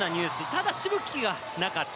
ただ、しぶきがなかった。